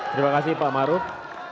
terima kasih pak maruf